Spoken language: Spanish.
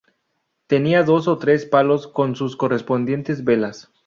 Tenían dos o tres palos con sus correspondientes velas.